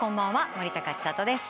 森高千里です。